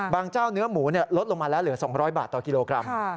เจ้าเนื้อหมูลดลงมาแล้วเหลือ๒๐๐บาทต่อกิโลกรัม